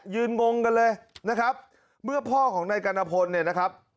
งงกันเลยนะครับเมื่อพ่อของนายกัณฑพลเนี่ยนะครับ